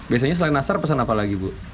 biasanya selain nasar pesan apa lagi bu